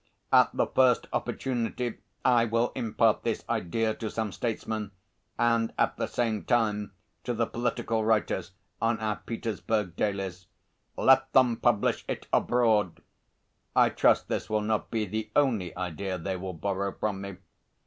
At the first opportunity I will impart this idea to some statesman and at the same time to the political writers on our Petersburg dailies. Let them publish it abroad. I trust this will not be the only idea they will borrow from me.